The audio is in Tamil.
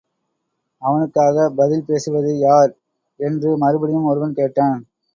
அவனுக்காகப் பதில் பேசுவது யார்? என்று மறுபடியும் ஒருவன் கேட்டான்.